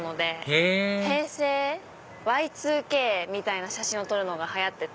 へぇ平成Ｙ２Ｋみたいな写真を撮るのが流行ってて。